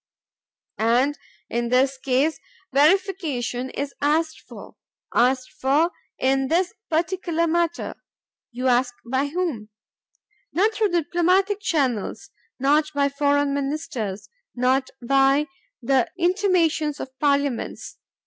And in this case verification is asked for, asked for in this particular matter. You ask by whom? Not through diplomatic channels; not by Foreign Ministers, not by the intimations of parliaments.